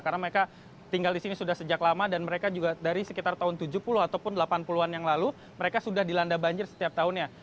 karena mereka tinggal di sini sudah sejak lama dan mereka juga dari sekitar tahun tujuh puluh ataupun delapan puluh an yang lalu mereka sudah dilanda banjir setiap tahunnya